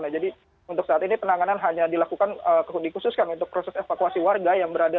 jadi untuk saat ini penanganan hanya dilakukan dikhususkan untuk proses evakuasi warga